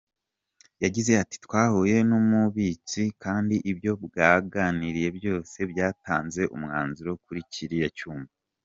Yagize ati “Twahuye n’umubitsi kandi ibyo bwaganiriye byose byatanze umwanzuro kuri kiriya cyuma.